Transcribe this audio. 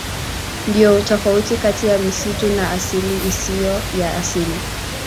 Ndiyo tofauti kati ya misitu ya asili na isiyo ya asili.